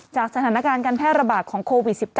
สถานการณ์การแพร่ระบาดของโควิด๑๙